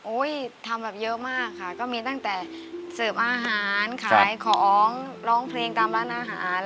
ทำแบบเยอะมากค่ะก็มีตั้งแต่เสิร์ฟอาหารขายของร้องเพลงตามร้านอาหาร